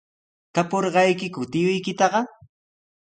¿Tapurqaykiku tiyuykitaqa?